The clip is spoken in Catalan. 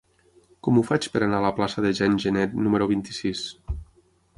Com ho faig per anar a la plaça de Jean Genet número vint-i-sis?